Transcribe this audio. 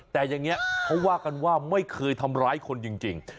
แต่อย่างนี้เขาว่ากันว่าไม่เคยทำร้ายคนจริง